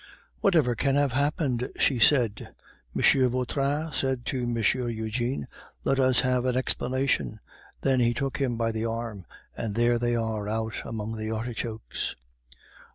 "What ever can have happened?" she said. "M. Vautrin said to M. Eugene, 'Let us have an explanation!' then he took him by the arm, and there they are, out among the artichokes."